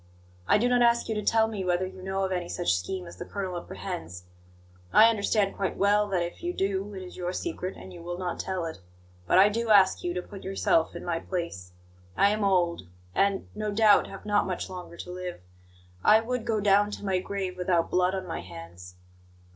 I do not ask you to tell me whether you know of any such scheme as the colonel apprehends. I understand quite well that, if you do, it is your secret and you will not tell it. But I do ask you to put yourself in my place. I am old, and, no doubt, have not much longer to live. I would go down to my grave without blood on my hands."